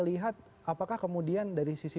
lihat apakah kemudian dari sisi